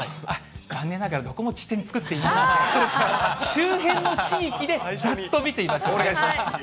残念ながらどこも地点を作っていないので、周辺の地域でざっと見お願いします。